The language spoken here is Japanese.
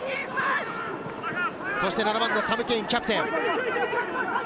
そして７番のサム・ケイン、キャプテン。